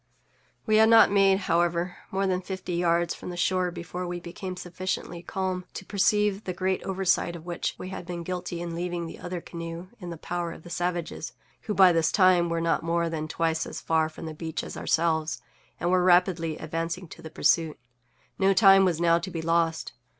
We had not made, however, more than fifty yards from the shore before we became sufficiently calm to perceive the great oversight of which we had been guilty in leaving the other canoe in the power of the savages, who, by this time, were not more than twice as far from the beach as ourselves, and were rapidly advancing to the pursuit. No time was now to be lost.